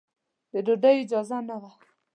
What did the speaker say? د ډوډۍ اجازه نه وه.